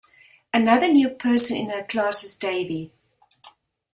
Another new person in her class is Davy.